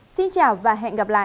xin chào và hẹn gặp lại